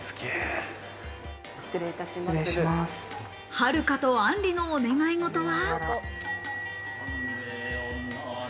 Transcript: はるかとあんりのお願い事は。